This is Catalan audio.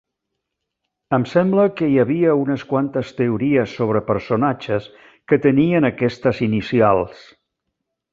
Em sembla que hi havia unes quantes teories sobre personatges que tenien aquestes inicials.